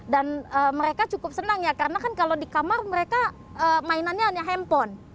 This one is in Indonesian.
dan mereka cukup senang ya karena kan kalau di kamar mereka mainannya hanya handphone